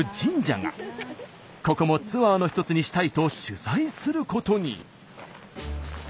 ここもツアーの一つにしたいと取材することに。